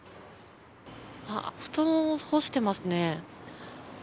布団を干してますね。